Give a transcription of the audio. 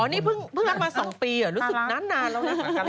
อ๋อนี่เพิ่งรักมา๒ปีอ่ะรู้สึกนานแล้วนะ